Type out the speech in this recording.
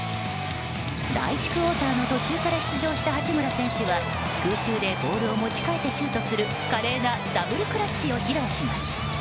第１クオーターの途中から出場した八村選手は空中でボールを持ち替えてシュートする華麗なダブルクラッチを披露します。